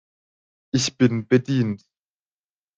Ich bin bedient.